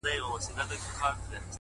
له بې هنرو ګوتو پورته سي بې سوره نغمې!.